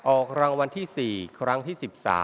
ออกรางวัลที่๔ครั้งที่๑๓